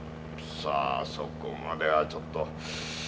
さあそこまではちょっと。